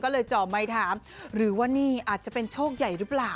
ก็เลยจ่อไมค์ถามหรือว่านี่อาจจะเป็นโชคใหญ่หรือเปล่า